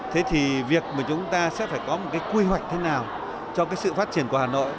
thế thì việc mà chúng ta sẽ phải có một cái quy hoạch thế nào cho cái sự phát triển của hà nội